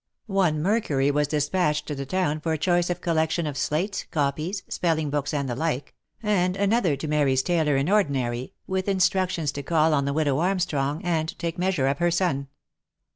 One Mercury was despatched to the town for a choice collection of slates, copies, spelling books, and the like, and another to Mary's tailor in ordinary, with instructions to call on the widow Armstrong, and take measure of her son.